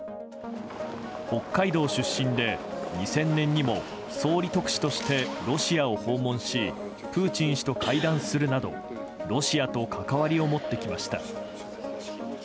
北海道出身で２０００年にも総理特使としてロシアを訪問しプーチン氏と会談するなどロシアと関わりを持ってきました。